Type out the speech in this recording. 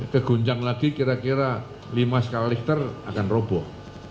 kegoncang lagi kira kira lima skaliliter akan roboh